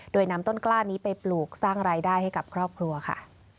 โดยนำต้นกล้านี้ไปปลูกสร้างรายได้ให้กับครอบครัวค่ะ